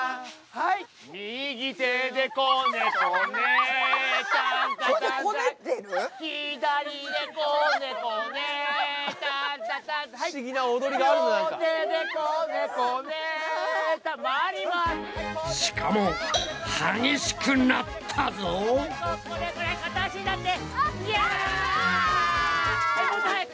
はいもっと速く！